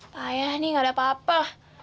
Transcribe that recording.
payah nih gak ada apa apa